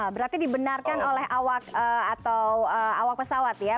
berarti dibenarkan oleh awak pesawat ya